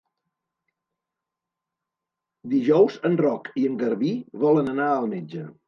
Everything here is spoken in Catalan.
Dijous en Roc i en Garbí volen anar al metge.